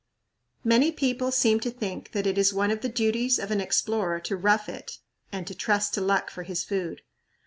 Many people seem to think that it is one of the duties of an explorer to "rough it," and to "trust to luck" for his food.